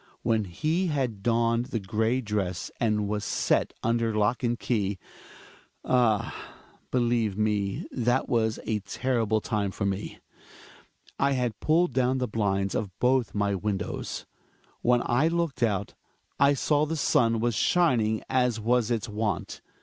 When he had donned the gray dress, and was set under lock and key — ah ! believe me that was a terrible time for me. I had pulled down the blinds of both my windows. When I looked out, I saw that the sun was shining as was its wont.